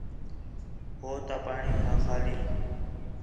ہو تا پاݨی ہا خالی